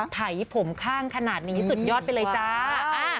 ไถผมข้างขนาดนี้สุดยอดไปเลยจ้า